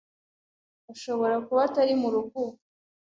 Ashobora kuba atari murugo ubu.